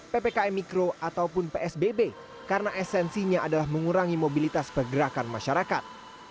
ppkm mikro ataupun psbb karena esensinya adalah mengurangi mobilitas pergerakan masyarakat